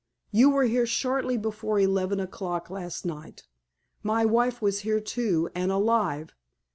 You were here shortly before eleven o'clock last night. My wife was here, too, and alive.